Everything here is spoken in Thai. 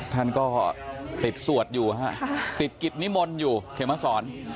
ท่านก็ติดสวดอยู่ฮะติดกิจนิมนต์อยู่เขมสอน